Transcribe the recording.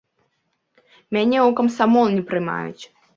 Мяне ў камсамол не прымаюць.